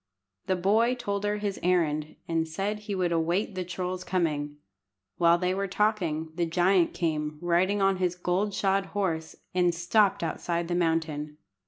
The boy told her his errand, and said he would await the troll's coming. While they were talking, the giant came, riding on his gold shod horse, and stopped outside the mountain.